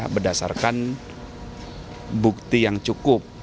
berdasarkan bukti yang cukup